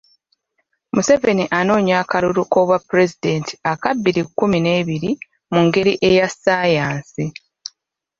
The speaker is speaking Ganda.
Museveni anoonya akalulu k'obwapulezidenti aka bbiri kkumi n'ebiri mungeri eya ssaayansi .